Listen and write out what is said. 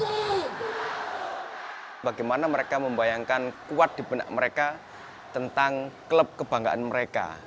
untuk bagaimana mereka membayangkan kuat di benak mereka tentang klub kebanggaan mereka